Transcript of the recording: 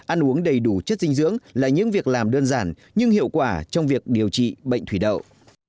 ăn uống đầy đủ chất dinh dưỡng là những việc làm đơn giản nhưng hiệu quả trong việc điều trị bệnh thủy đậu